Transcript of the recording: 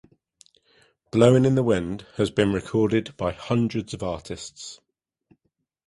"Blowin' in the Wind" has been recorded by hundreds of artists.